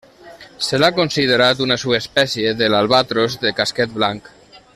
Se l'ha considerat una subespècie de l'albatros de casquet blanc.